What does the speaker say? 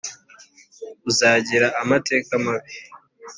uzagira amateka mabi